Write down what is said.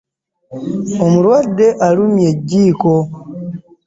Omulwadde alumye ejjiiko.